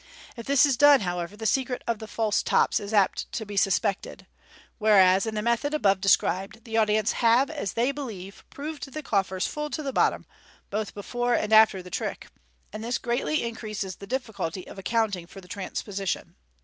If this is done, however, the secret of the false tops is apt to be suspected j whereas, in the method above described, the audience have, as they believe, proved the coffers full to the bottom, both before and after the trick ; and this greatly increases the difficulty of accounting for the transposition.